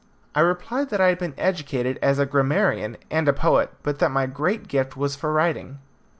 I replied that I had been educated as a grammarian and a poet, but that my great gift was writing.